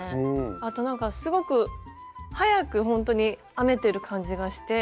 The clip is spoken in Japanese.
あとなんかすごく早くほんとに編めてる感じがして。